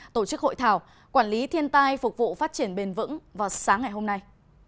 tổ chức hội thảo quản lý thiên tai phục vụ phát triển bền vững vào sáng ngày hôm nay